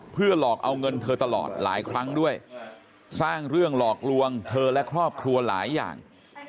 เพื่อหลอกเอาเงินเธอตลอดหลายครั้งด้วยสร้างเรื่องหลอกลวงเธอและครอบครัวหลายอย่าง